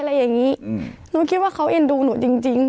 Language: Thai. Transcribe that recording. อย่างงี้อืมหนูคิดว่าเขาเอ็นดูหนูจริงจริง